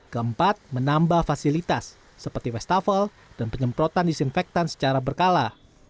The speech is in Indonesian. keempat menambah fasilitas seperti wastafel dan penyemprotan disinfektan secara berkala